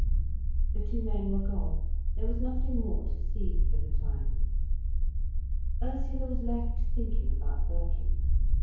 The two men were gone, there was nothing more to see, for the time. Ursula was left thinking about Birkin.